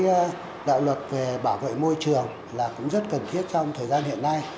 thì thấy rằng đạo luật về bảo vệ môi trường là cũng rất cần thiết trong thời gian hiện nay